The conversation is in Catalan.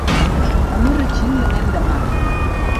A Marratxí hi anem demà.